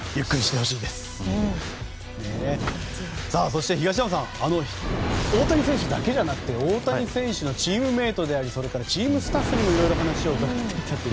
そして東山さん大谷選手だけじゃなくて大谷選手のチームメートでありチームスタッフにもいろいろ話を伺ってきたと。